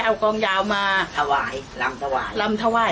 หากองยาวมาร่ำถวาย